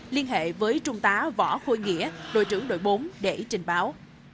liên hệ với trung tá võ khôi nghĩa đội trưởng đội bốn để trình báo